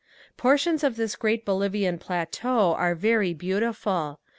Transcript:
Portions of this great Bolivian plateau are very beautiful.